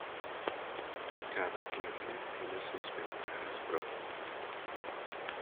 Cada clase tiene sus ventajas propias.